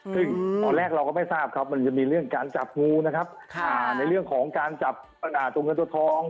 ซึ่งตอนแรกเราก็ไม่ทราบครับมันจะมีเรื่องการจับงูนะครับในเรื่องของการจับตัวเงินตัวทอง